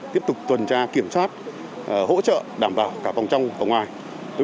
tiếp tục tuần tra kiểm soát hỗ trợ đảm bảo cả vòng trong và ngoài